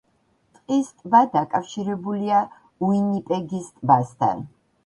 ტყის ტბა დაკავშირებულია უინიპეგის ტბასთან.